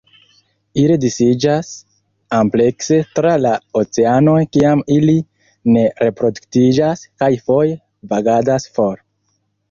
Ili disiĝas amplekse tra la oceanoj kiam ili ne reproduktiĝas, kaj foje vagadas for.